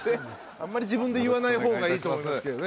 あんまり自分で言わない方がいいと思いますけどね。